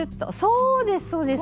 そうですそうです！